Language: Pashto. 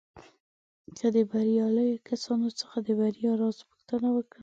که د برياليو کسانو څخه د بريا راز پوښتنه وکړئ.